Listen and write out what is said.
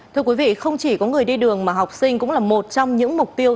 thưa quý vị không chỉ có người đi đường mà học sinh cũng là một trong những mục tiêu